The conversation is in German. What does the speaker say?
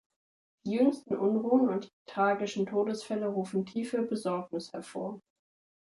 Die jüngsten Unruhen und die tragischen Todesfälle rufen tiefe Besorgnis hervor.